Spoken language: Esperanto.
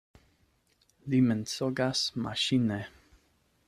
Li mensogas maŝine.